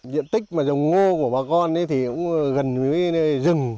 diện tích mà dòng ngô của bà con thì cũng gần với rừng